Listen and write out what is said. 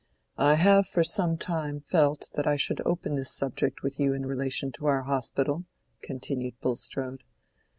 "I have for some time felt that I should open this subject with you in relation to our Hospital," continued Bulstrode.